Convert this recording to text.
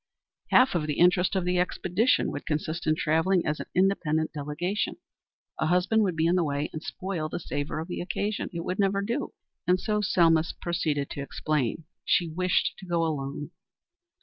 Half of the interest of the expedition would consist in travelling as an independent delegation. A husband would be in the way and spoil the savor of the occasion. It would never do, and so Selma proceeded to explain. She wished to go alone.